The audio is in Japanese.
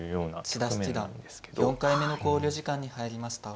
千田七段４回目の考慮時間に入りました。